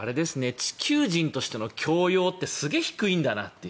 地球人としての教養ってすごい低いんだなと。